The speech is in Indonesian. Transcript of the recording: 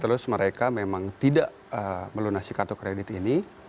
terus mereka memang tidak melunasi kartu kredit ini